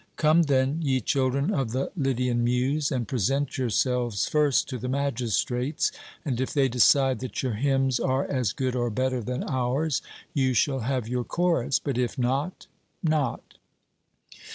Come then, ye children of the Lydian Muse, and present yourselves first to the magistrates, and if they decide that your hymns are as good or better than ours, you shall have your chorus; but if not, not.